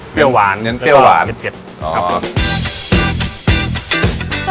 เปรี้ยวหวานเปรี้ยวหวานแล้วก็เก็บเก็บอ๋อ